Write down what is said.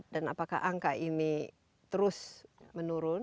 dan apakah angka ini terus menurun